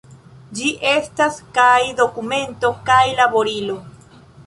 Ĝi estas kaj dokumento kaj laborilo.